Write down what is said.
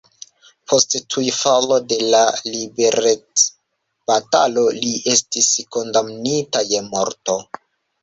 Post tuj falo de la liberecbatalo li estis kondamnita je morto.